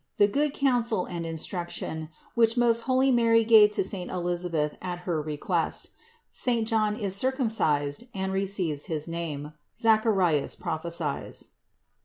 THE GOOD COUNCIL AND INSTRUCTION, WHICH MOST HOLY MARY GAVE TO SAINT EUSABETH AT HER RE QUEST; SAINT JOHN IS CIRCUMCISED AND RECEIVES HIS NAME; ZACHARIAS PROPHESIES.